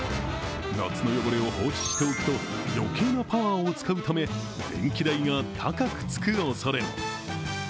夏の汚れを放置しておくと余計なパワーを使うため電気代が高くつくおそれも。